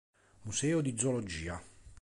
Museo di zoologia